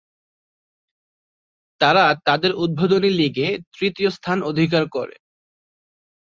তারা তাদের উদ্বোধনী লীগে তৃতীয় স্থান অধিকার করে।